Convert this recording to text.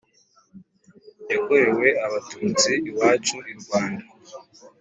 yakorewe abatutsi iwacu irwanda